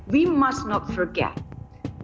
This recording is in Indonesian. kita tidak harus lupa